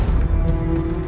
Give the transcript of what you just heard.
aku akan membunuhnya